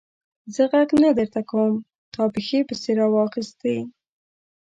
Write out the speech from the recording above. زه ږغ نه درته کوم؛ تا پښې پسې را واخيستې.